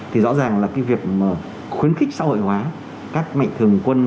thì rõ ràng là cái việc mà khuyến khích xã hội hóa các mạnh thường quân